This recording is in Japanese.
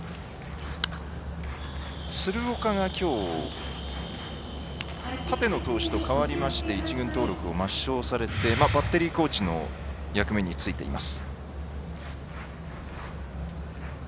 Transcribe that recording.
鶴岡が、きょう立野投手と代わりまして一軍登録を抹消されてバッテリーコーチの役割に就いています。